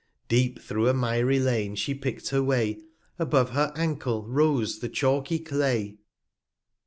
Deep, thro' a miry Lane she pick'd her Way, Above her Ankle rose the chalky Clay.